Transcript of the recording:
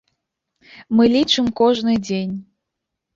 Мы лічым кожны дзень.